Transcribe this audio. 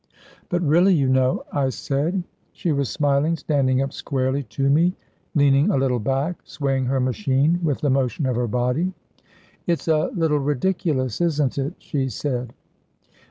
"But really, you know," I said. She was smiling, standing up squarely to me, leaning a little back, swaying her machine with the motion of her body. "It's a little ridiculous, isn't it?" she said.